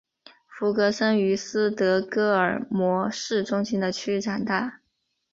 弗格森于斯德哥尔摩市中心的区长大。